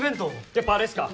やっぱあれっすか？